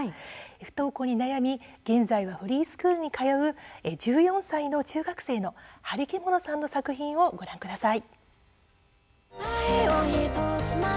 不登校に悩み現在はフリースクールに通う１４歳の中学生のハリケモノさんの作品をご覧ください。